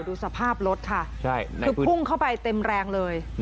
ดูสภาพรถค่ะคือพุ่งเข้าไปเต็มแรงเลย